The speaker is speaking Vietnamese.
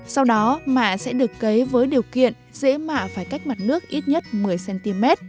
sau đó mạ sẽ được cấy với điều kiện dễ mạ phải cách mặt nước ít nhất một mươi cm